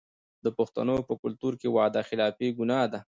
د پښتنو په کلتور کې وعده خلافي ګناه ده.